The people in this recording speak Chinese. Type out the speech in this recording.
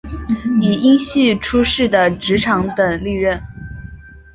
以荫叙出仕的直长等历任。